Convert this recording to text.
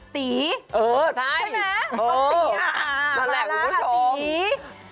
ตี๋ใช่ไหมนั่นแหละคุณผู้ชมตี๋อ่าตี๋